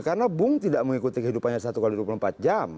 karena bung tidak mengikuti kehidupannya satu x dua puluh empat jam